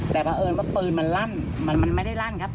แต่เพราะเอิญว่าปืนมันลั่นมันไม่ได้ลั่นครับ